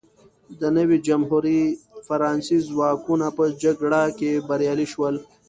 د نوې جمهوري فرانسې ځواکونه په جګړه کې بریالي شول.